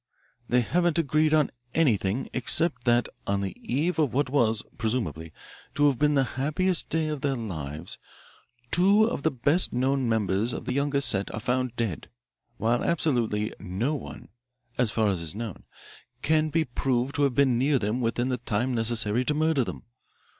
"They haven't agreed on anything except that on the eve of what was, presumably, to have been the happiest day of their lives two of the best known members of the younger set are found dead, while absolutely no one, as far as is known, can be proved to have been near them within the time necessary to murder them.